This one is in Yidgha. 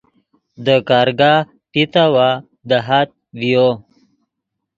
دے کارگاہ پیتوّا دہآت ڤیو